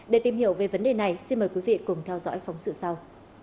để tìm hiểu về vấn đề này xin mời quý vị cùng theo dõi phóng sự sau